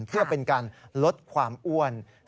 เพื่อเป็นการลดความอ้วน